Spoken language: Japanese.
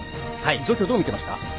状況をどう見てました？